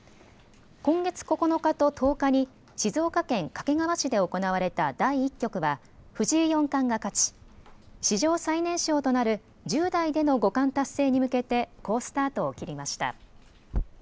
今月９日と１０日に静岡県掛川市で行われた第１局は藤井四冠が勝ち、史上最年少となる１０代での五冠達成に向けて好スタートを切りました。